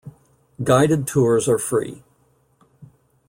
Guided tours are free.